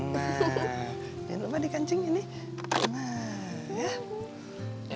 nah jangan lupa dikancingin nih